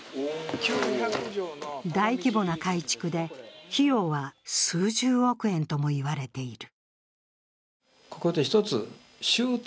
大規模な改築で、費用は数十億円とも言われている。